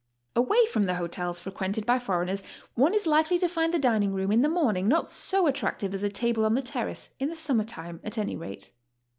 Away from the hotels frequented by foreigners one is likely to find the dining room in the morning not so attractive as a table on the terrace, in the summer time, at any rate.